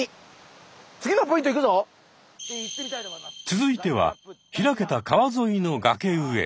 続いてはひらけた川ぞいの崖上。